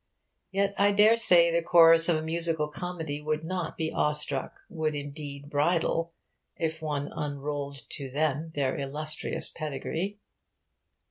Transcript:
Yet I dare say the chorus of a musical comedy would not be awestruck would, indeed, 'bridle' if one unrolled to them their illustrious pedigree.